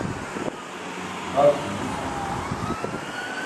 haacum duusam